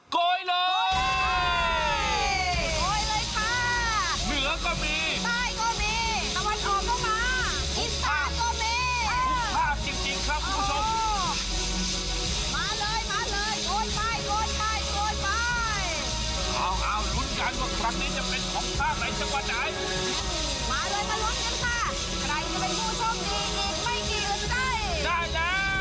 โกยเลย